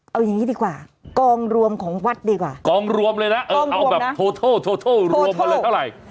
เอาอย่างนี้ดีกว่ากองรวมของวัดดีกว่ากองรวมเลยนะเออเอาแบบโทโทรวมมาเลยเท่าไหร่